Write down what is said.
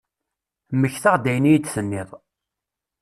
Mmektaɣ-d ayen i iyi-d-tenniḍ.